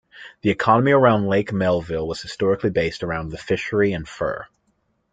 The economy around Lake Melville was historically based around the fishery and fur.